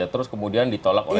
terus kemudian ditolak oleh